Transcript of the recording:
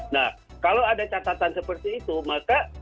nah kalau ada catatan seperti itu maka